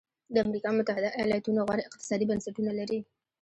د امریکا متحده ایالتونو غوره اقتصادي بنسټونه لري.